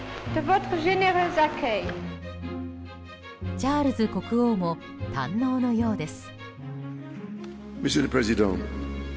チャールズ国王も堪能のようです。